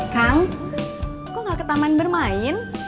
kang kok gak ke taman bermain